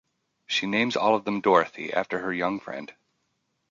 She names all of them Dorothy after her young friend.